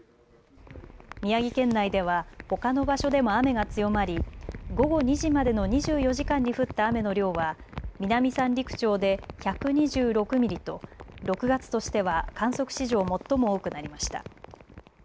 宮城県内ではほかの場所でも雨が強まり午後２時までの２４時間に降った雨の量は南三陸町で１２６ミリと６月としては観測史上最も多くなりました。